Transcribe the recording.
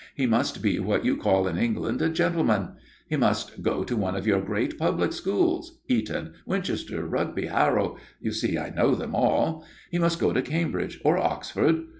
He must be what you call in England a gentleman. He must go to one of your great public schools Eton, Winchester, Rugby, Harrow you see I know them all he must go to Cambridge or Oxford.